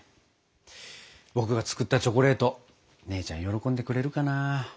僕が作ったチョコレート姉ちゃん喜んでくれるかな。